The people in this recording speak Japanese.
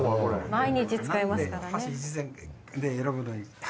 毎日使いますからね。